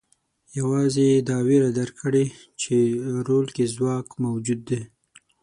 یوازې یې دا وېره درک کړې چې رول کې ځواک موجود دی.